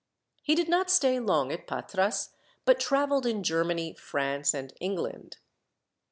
He did not stay long at Patras, but travelled in Germany, France, and England.